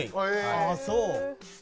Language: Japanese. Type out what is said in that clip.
ああそう。